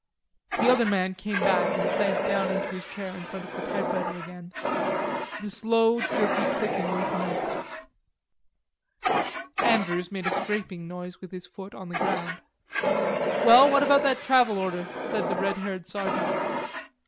The other man came back and sank down into his chair in front of the typewriter again. The slow, jerky clicking recommenced. Andrews made a scraping noise with his foot on the ground. "Well, what about that travel order?" said the red haired sergeant.